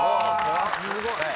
すごい。